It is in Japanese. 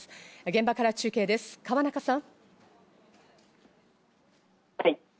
現場から中継です、河中さん。